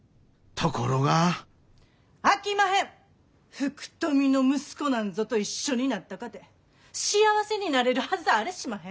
福富の息子なんぞと一緒になったかて幸せになれるはずあれしまへん。